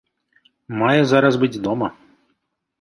Мае зараз быць дома.